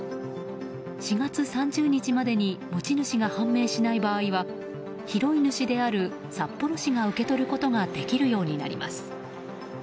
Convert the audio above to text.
４月３０日までに持ち主が判明しない場合は広い主である札幌市が受け取ることができるようになります。